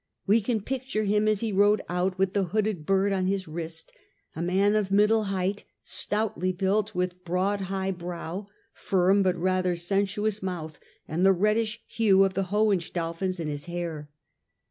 We can picture him as he rode out with the hooded bird on his wrist, a man of middle height, stoutly built, with broad, high brow, firm but rather sensuous mouth, and the reddish hue of the Hohenstaufens in his hair.